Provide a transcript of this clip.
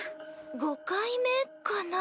５回目かな。